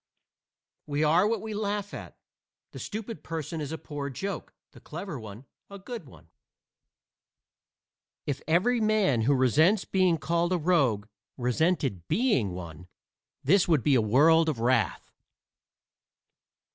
We are what we laugh at. The stupid person is a poor joke, the clever, a good one. If every man who resents being called a rogue resented being one this would be a world of wrath.